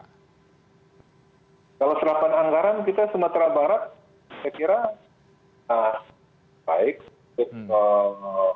kalau serapan anggaran kita sumatera barat